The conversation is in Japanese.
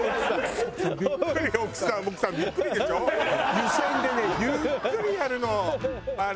湯煎でねゆっくりやるのあれ。